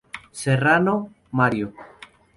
Serrano, Mario.